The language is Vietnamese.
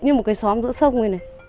như một cái xóm giữa sông